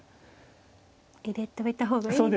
入れといた方がいいという。